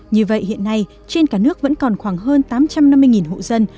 như vậy hiện nay trên cả nước vẫn còn khoảng hơn tám trăm năm mươi hộ dân